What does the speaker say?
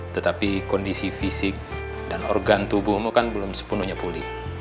tetapi kondisi fisik dan organ tubuhmu kan belum sepenuhnya pulih